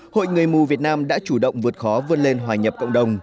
hội người mù việt nam đã chủ động vượt khó vươn lên hòa nhập cộng đồng